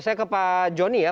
saya ke pak joni ya